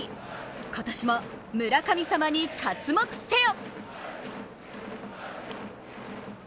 今年も村神様に刮目せよ！